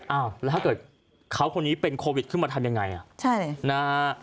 อ้าวแล้วถ้าเกิดเขาคนนี้เป็นโควิดขึ้นมาทำยังไงอ่ะใช่นะฮะ